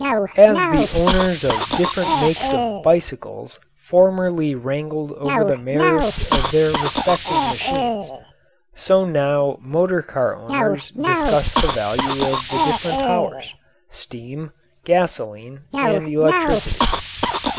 As the owners of different makes of bicycles formerly wrangled over the merits of their respective machines, so now motor car owners discuss the value of the different powers steam, gasoline, and electricity.